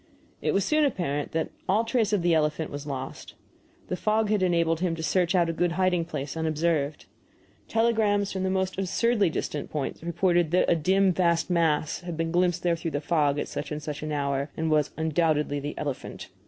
It was soon apparent that all trace of the elephant was lost. The fog had enabled him to search out a good hiding place unobserved. Telegrams from the most absurdly distant points reported that a dim vast mass had been glimpsed there through the fog at such and such an hour, and was "undoubtedly the elephant."